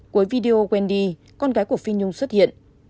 cuối video quendi con gái của phi nhung xuất hiện